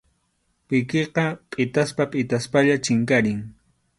Pikiqa pʼitaspa pʼitaspalla chinkarin.